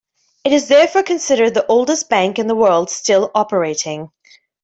It is therefore considered the oldest bank in the world still operating.